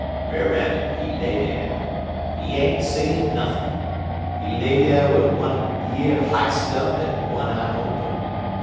"Brer Rabbit, he lay dar. He ain't sayin' nothin'. He lay dar wid one year h'ist up en one eye open.